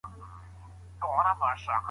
دولت باید د وارداتو کچه کمه کړي.